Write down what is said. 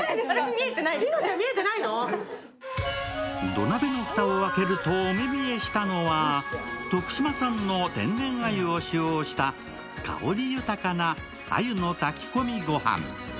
土鍋の蓋を開けるとお目見えしたのは徳島産の天然鮎を使用した香り豊かな鮎の炊き込みご飯。